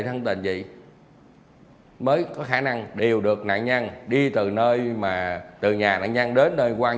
thân tình gì mới có khả năng đều được nạn nhân đi từ nơi mà từ nhà nạn nhân đến nơi quang